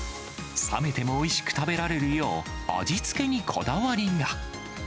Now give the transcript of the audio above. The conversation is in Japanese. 冷めてもおいしく食べられるよう、味付けにこだわりが。